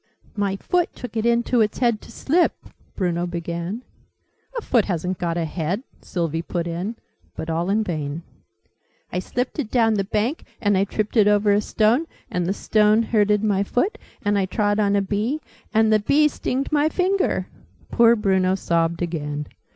"My foot took it into its head to slip " Bruno began. "A foot hasn't got a head!" Sylvie put in, but all in vain. "I slipted down the bank. And I tripted over a stone. And the stone hurted my foot! And I trod on a Bee. And the Bee stinged my finger!" Poor Bruno sobbed again.